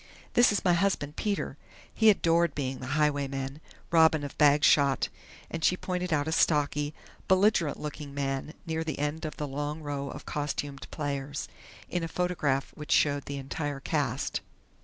This is my husband, Peter. He adored being the highwayman, 'Robin of Bagshot'," and she pointed out a stocky, belligerent looking man near the end of the long row of costumed players, in a photograph which showed the entire cast.